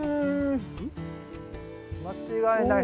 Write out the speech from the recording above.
間違いない！